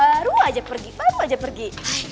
baru aja pergi baru aja pergi